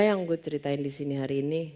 apa yang gue ceritain di sini hari ini